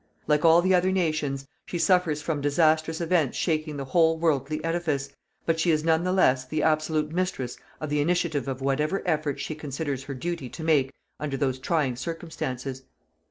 Like all the other nations, she suffers from disastrous events shaking the whole worldly edifice, but she is none the less the absolute mistress of the initiative of whatever efforts she considers her duty to make under those trying circumstances.